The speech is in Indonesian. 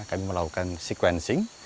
kami melakukan sequencing